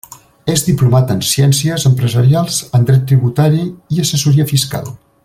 És diplomat en Ciències Empresarials, en dret tributari i assessoria fiscal.